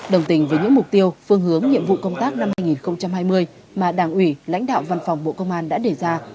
đồng tình với những mục tiêu phương hướng nhiệm vụ công tác năm hai nghìn hai mươi mà đảng ủy lãnh đạo văn phòng bộ công an đã đề ra